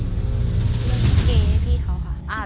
เลือกลิเคยให้พี่ครับ